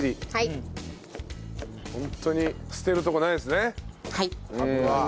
ホントに捨てるとこないですねカブは。